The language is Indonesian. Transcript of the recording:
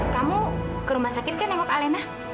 kamu ke rumah sakit kan nengok alena